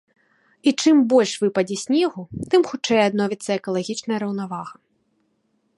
І чым больш выпадзе снегу, тым хутчэй адновіцца экалагічная раўнавага.